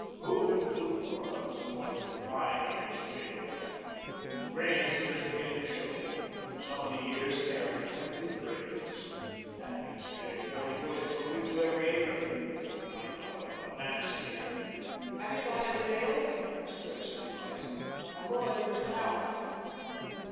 Hooven, too, brought up some wonderful fine ears for me to look at. The grains were just beginning to show. Some of the ears carried twenty grains. That means nearly forty bushels of wheat to every acre. I call it a bonanza year." "Have you got any mail?" said Presley, rising. "I'm going into town."